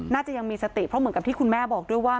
น่าจะยังมีสติเพราะเหมือนกับที่คุณแม่บอกด้วยว่า